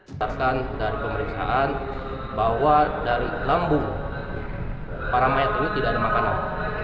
berdasarkan dari pemeriksaan bahwa dari lambung para mayat ini tidak ada makanan